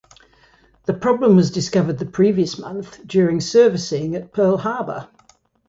The problem was discovered the previous month during servicing at Pearl Harbor.